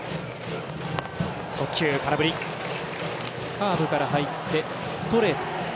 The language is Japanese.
カーブから入ってストレート。